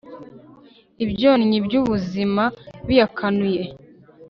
ibyonnyi by'ubuzima biyakanuye